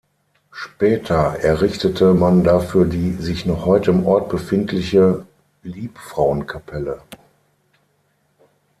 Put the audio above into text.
Später errichtete man dafür die sich noch heute im Ort befindliche "Liebfrauenkapelle".